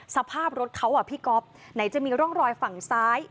สภาพรถเขาอ่ะพี่ก๊อฟไหนจะมีร่องรอยฝั่งซ้าย